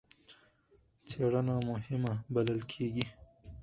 څېړنه مهمه بلل کېږي.